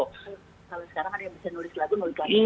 kalau sekarang ada yang bisa nulis lagu nulis